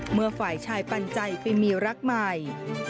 เมื่อฝ่ายชายปันใจไปมีรักใหม่